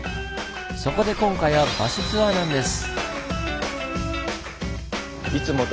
そこで今回はバスツアーなんです！